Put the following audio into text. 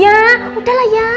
ya udahlah ya